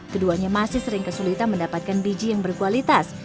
keduanya masih sering kesulitan mendapatkan biji yang berkualitas